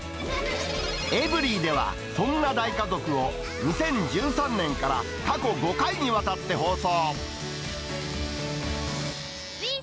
エブリィでは、そんな大家族を２０１３年から過去５回にわたって放送。